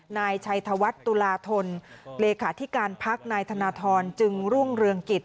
นายชัยธวัฒน์ตุลาธนเลขาธิการพักนายธนทรจึงรุ่งเรืองกิจ